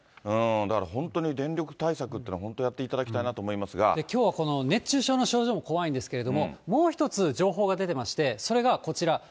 だから本当に電力対策というのを本当にやっていただきたいなきょうは熱中症の症状も怖いんですけど、もう１つ、情報が出てまして、それがこちら。